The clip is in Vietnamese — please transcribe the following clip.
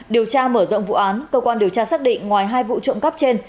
điều tra mở rộng vụ án cơ quan điều tra xác định ngoài hai vụ trộm cắp trên